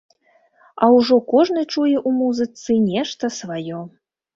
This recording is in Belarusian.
А ўжо кожны чуе ў музыцы нешта сваё.